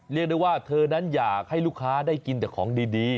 เรียกได้ว่าเธอนั้นอยากให้ลูกค้าได้กินแต่ของดี